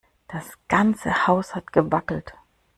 Das ganze Haus hat gewackelt.